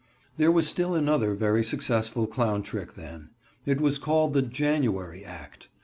There was still another very successful clown trick then. It was called the "January Act."